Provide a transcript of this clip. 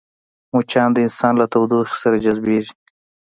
مچان د انسان له تودوخې سره جذبېږي